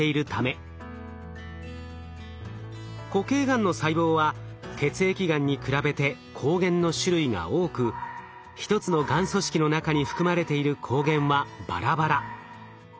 固形がんの細胞は血液がんに比べて抗原の種類が多く一つのがん組織の中に含まれている抗原はバラバラ。